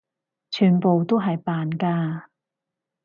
全部都係扮㗎！